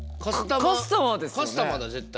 カスタマーだ絶対。